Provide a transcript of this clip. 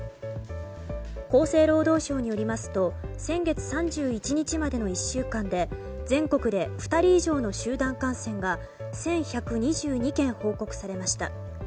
厚生労働省によりますと先月３１日までの１週間で全国で、２人以上の集団感染が１１２２件報告されました。